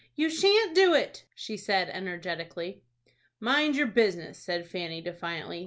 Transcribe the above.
"You shan't do it," she said, energetically. "Mind your business!" said Fanny, defiantly.